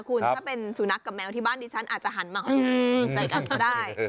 คุณถ้าเป็นสุนัขกับแมวที่บ้านดิฉันอาจจะหันมาหอมใส่กันก็ได้